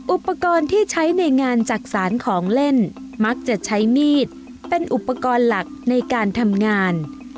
อุปกรณ์ที่ใช้ในงานจักษานของเล่นมักจะใช้มีดเป็นอุปกรณ์หลักในการทำงาน